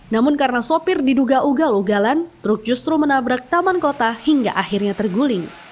namun karena sopir diduga ugal ugalan truk justru menabrak taman kota hingga akhirnya terguling